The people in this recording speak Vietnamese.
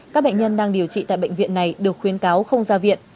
các bệnh nhân đang điều trị tại bệnh viện này được khuyến cáo không ra viện